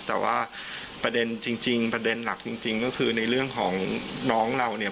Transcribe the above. แต่ว่าประเด็นจริงประเด็นหลักจริงก็คือในเรื่องของน้องเราเนี่ย